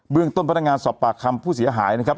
เบื้องต้นพนักงานสอบปากคำผู้เสียหายนะครับ